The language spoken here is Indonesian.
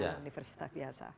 dengan universitas biasa